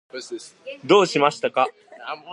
どうしましたか？